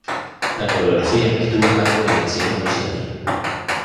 La coreografía estuvo a cargo de Graciela Luciani.